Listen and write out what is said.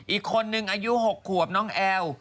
อีกคนนึงอายุ๖ขวบน้องแอล